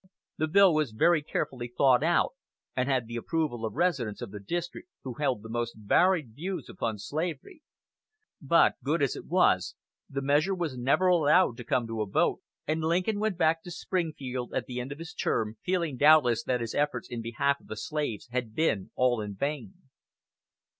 The bill was very carefully thought out, and had the approval of residents of the District who held the most varied views upon slavery; but good as it was, the measure was never allowed to come to a vote, and Lincoln went back to Springfield, at the end of his term, feeling doubtless that his efforts in behalf of the slaves had been all in vain.